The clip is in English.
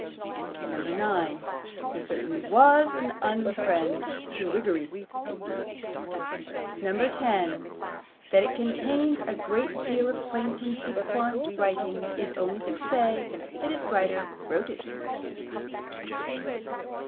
9. He certainly was an unfriend to Whiggery. 10. That it contains a great deal of quaint and piquant writing is only to say that its writer wrote it.